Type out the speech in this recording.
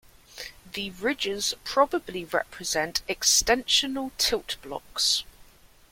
The ridges probably represent extensional tilt blocks.